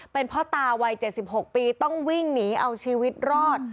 เป็นพ่อตาวัย๗๖ปีต้องวิ่งหนีเอาชีวิตรอด